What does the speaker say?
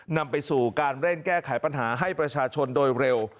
นำไปสู่การเร่งแก้ไขปัญหาให้ประชาชนโดยเร็ว